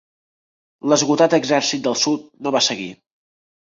L'esgotat exèrcit del sud no va seguir.